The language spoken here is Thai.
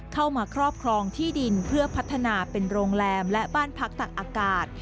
ครอบครองที่ดินเพื่อพัฒนาเป็นโรงแรมและบ้านพักตักอากาศ